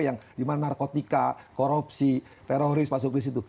yang dimana narkotika korupsi teroris masuk di situ